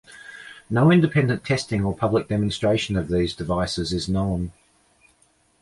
No independent testing or public demonstration of these devices is known.